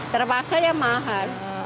terpaksa ya mahal